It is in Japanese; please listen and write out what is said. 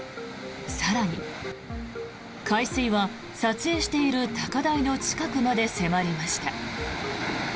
更に海水は、撮影している高台の近くまで迫りました。